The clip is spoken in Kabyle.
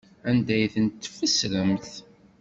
Anda ay tent-tfesremt?